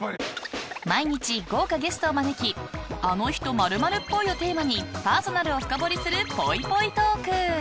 毎日、豪華ゲストを招きあの人○○っぽいをテーマにパーソナルを深掘りするぽいぽいトーク。